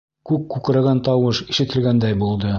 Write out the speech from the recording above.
Күк күкрәгән тауыш ишетелгәндәй булды.